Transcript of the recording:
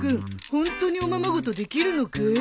ホントにおままごとできるのかい？